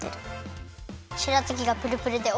しらたきがプルプルでおいしいです！